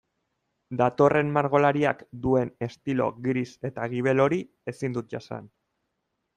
Datorren margolariak duen estilo gris eta gibel hori ezin dut jasan.